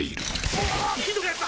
うわひどくなった！